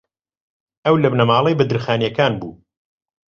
ئەو لە بنەماڵەی بەدرخانییەکان بوو